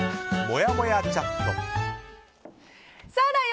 もやもやチャット。